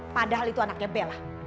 padahal itu anaknya bella